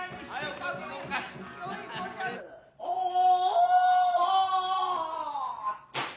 おお。